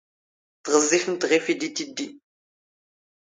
ⵜⵖⵣⵣⵉⴼⵎⵜ ⵖⵉⴼⵉ ⴷⵉ ⵜⵉⴷⴷⵉ.